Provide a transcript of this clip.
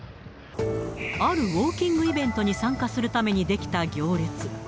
あるウォーキングイベントに参加するために出来た行列。